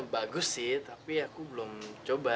bagus sih tapi aku belum coba